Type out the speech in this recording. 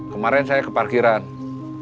kemarin saya ke parkiran tapi belum sempat apa apa